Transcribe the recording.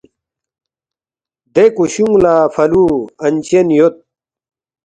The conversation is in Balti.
دے کُشُونگ لہ فلُو انچن یود